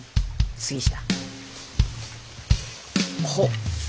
杉下。